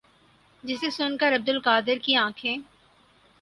جسے سن کر عبدالقادر کی انکھیں